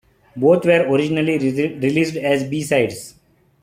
Both were originally released as B-sides.